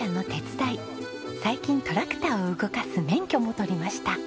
最近トラクターを動かす免許も取りました。